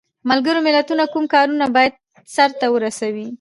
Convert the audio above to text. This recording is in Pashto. ملګرو ملتونو کوم کارونه باید سرته ورسوي؟